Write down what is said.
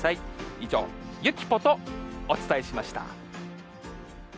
以上、ゆきポとお伝えしました。